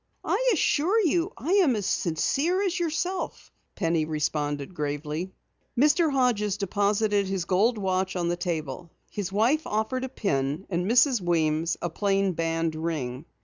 "I assure you, I am as sincere as yourself," Penny responded gravely. Mr. Hodges deposited his gold watch on the table. His wife offered a pin and Mrs. Weems a plain band ring.